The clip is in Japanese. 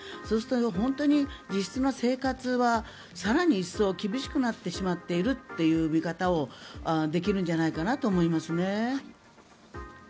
そうすると本当に実質の生活は更に一層厳しくなってしまっているという見方をできるんじゃないかと思いますね。